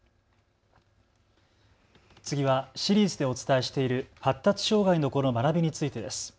次はシリーズでお伝えしている発達障害の子の学びについてです。